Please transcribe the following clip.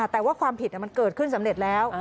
แต่ว่าความผิดมันเกิดขึ้นสำเร็จแล้ว